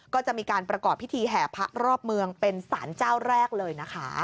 ก็จะมีการประกอบพิธีแห่พระรอบเมืองเป็นสารเจ้าแรกเลยนะคะ